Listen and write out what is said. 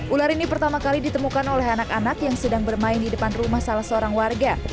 ular ini pertama kali ditemukan oleh anak anak yang sedang bermain di depan rumah salah seorang warga